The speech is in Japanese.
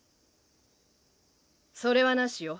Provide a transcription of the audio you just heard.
それはなしよ。